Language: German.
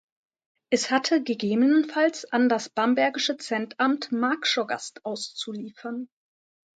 Es hatte gegebenenfalls an das bambergische Centamt Marktschorgast auszuliefern.